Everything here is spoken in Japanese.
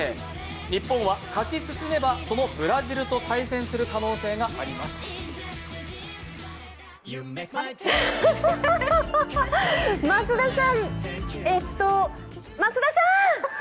日本は勝ち進めばそのブラジルと対戦する可能性があります。